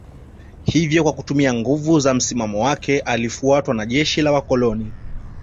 Hivyo kwa kutumia nguvu na msimamo wake alifuatwa na jeshi la Wakoloni